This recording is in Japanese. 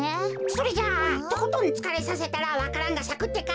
それじゃあとことんつかれさせたらわか蘭がさくってか？